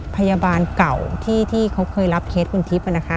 พยาบาลเก่าที่เขาเคยรับเคสคุณทิพย์นะคะ